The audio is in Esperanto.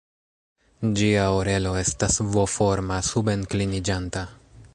Ĝia orelo estas V-forma, suben-kliniĝanta.